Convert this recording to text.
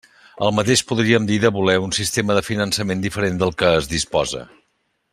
El mateix podríem dir de voler un sistema de finançament diferent del que es disposa.